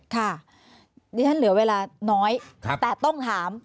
ค่ะดิฉันเหลือเวลาน้อยแต่ต้องถาม